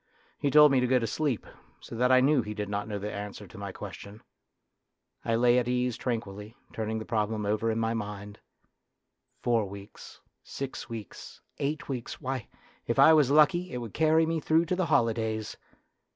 He told me to go to sleep, so that I knew he did not know the answer to my question. I lay at ease tranquilly turning the problem over in A DRAMA OF YOUTH 29 my mind. Four weeks, six weeks, eight weeks ; why, if I was lucky, it would carry me through to the holidays